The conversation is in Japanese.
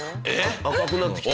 赤くなってきた。